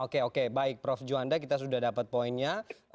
oke oke baik prof juanda kita sudah dapat poinnya